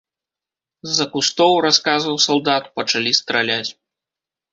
З-за кустоў, расказваў салдат, пачалі страляць.